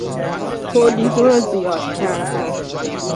تولید را زیاد کردن